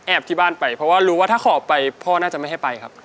ที่บ้านไปเพราะว่ารู้ว่าถ้าขอไปพ่อน่าจะไม่ให้ไปครับ